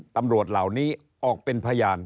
ตำรวจเหล่านี้ออกเป็นพยาน